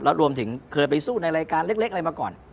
รวมถึงเคยไปสู้ในรายการเล็กอะไรมาก่อน